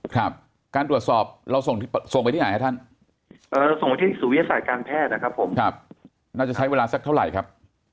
การตรวจสอบเราส่งไปที่ไหนฮะท่านเราส่งไปที่ศูวิทยาศาสตร์การแพทย์นะครับผมน่าจะใช้เวลาสักเท่าไหร่ครับ